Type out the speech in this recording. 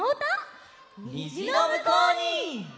「にじのむこうに」！